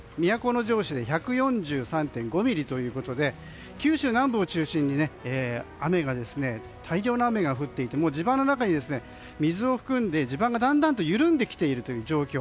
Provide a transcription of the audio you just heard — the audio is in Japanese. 都城市で１４３．５ミリということで九州南部を中心に雨が大量に降っていて地盤の中に水を含んで地盤がだんだんと緩んできている状況。